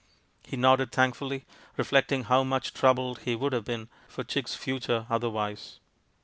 He nodded thankfully, reflecting how much troubled he would have been for Chick's future otherwise.